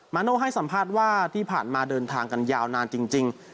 โน่ให้สัมภาษณ์ว่าที่ผ่านมาเดินทางกันยาวนานจริง